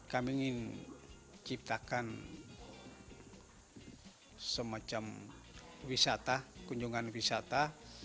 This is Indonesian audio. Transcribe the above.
kami ingin ciptakan semacam wisata kunjungan wisata